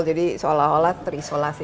jadi seolah olah terisolasi